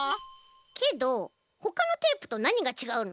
けどほかのテープとなにがちがうの？